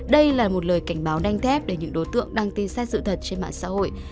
đây là một lời cảnh báo đanh thép để những đối tượng đăng tin sai sự thật trên mạng xã hội